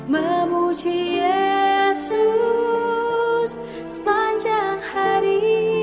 memuji yesus sepanjang hari